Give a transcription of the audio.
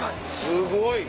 すごい。